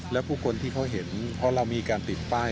แล้วผู้คนที่เขาเห็นเพราะเรามีการติดป้าย